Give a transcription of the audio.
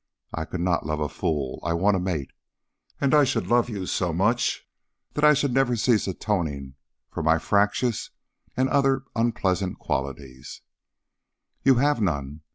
I could not love a fool. I want a mate. And I should love you so much that I never should cease atoning for my fractious and other unpleasant qualities " "You have none!